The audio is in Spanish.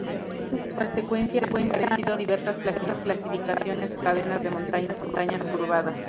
En consecuencia han aparecido diversas clasificaciones para estas cadenas de montañas curvadas.